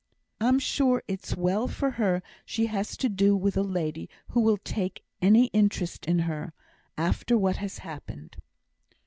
"I'm sure it's well for her she has to do with a lady who will take any interest in her, after what has happened."